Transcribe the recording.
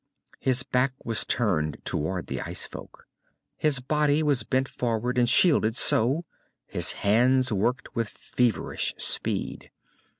His back was turned toward the ice folk. His body was bent forward, and shielded so, his hands worked with feverish speed.